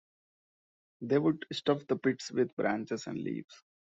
They would stuff the pits with branches and leaves.